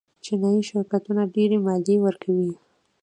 چینايي شرکتونه ډېرې مالیې ورکوي.